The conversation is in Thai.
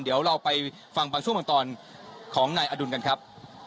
เดี๋ยวเราไปฟังบางช่วงบางตอนของนายอดุลกันครับ